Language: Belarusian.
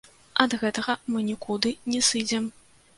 Ад гэтага мы нікуды не сыдзем.